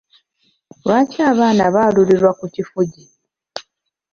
Lwaki abaana baalulirwa ku kifugi?